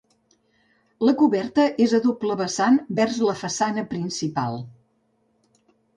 La coberta és a doble vessant vers la façana principal.